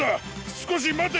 少し待て！